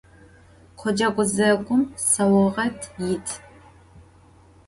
Khoce guzegum sauğet yit.